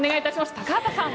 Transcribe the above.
高畑さん。